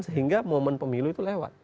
sehingga momen pemilu itu lewat